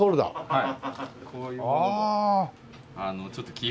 はい。